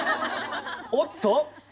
おっと。